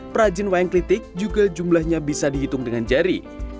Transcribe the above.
perajin wayang klitik juga jumlahnya bisa dihitung dengan jari